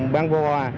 bán phố hoa